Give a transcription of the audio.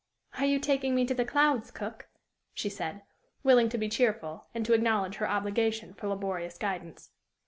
"Are you taking me to the clouds, cook?" she said, willing to be cheerful, and to acknowledge her obligation for laborious guidance.